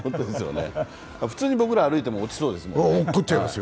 普通に僕ら、歩いても落ちそうですもんね。